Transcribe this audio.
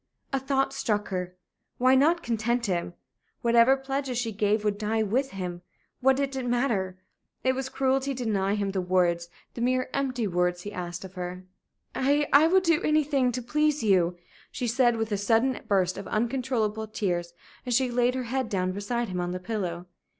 A thought struck her. Why not content him? Whatever pledges she gave would die with him. What did it matter? It was cruelty to deny him the words the mere empty words he asked of her. "I I would do anything to please you!" she said, with a sudden burst of uncontrollable tears, as she laid her head down beside him on the pillow.